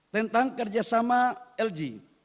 tentang kerjasama lg